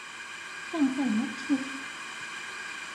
放在某處